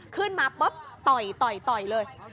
ขึ้นมาปุ๊บต่อยเลย